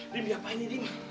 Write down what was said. dim diapain ini dim